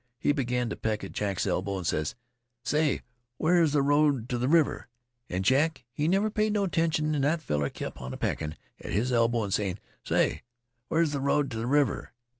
He began t' peck at Jack's elbow, an' he ses: 'Say, where 's th' road t' th' river?' An' Jack, he never paid no attention, an' th' feller kept on a peckin' at his elbow an' sayin': 'Say, where 's th' road t' th' river?'